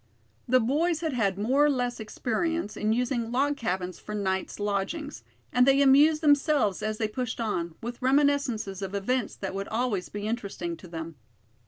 The boys had had more or less experience in using log cabins for nights lodgings; and they amused themselves as they pushed on, with reminiscences of events that would always be interesting to them.